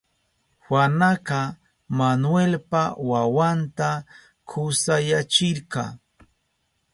Juanaka Manuelpa wawanta kusayachirka.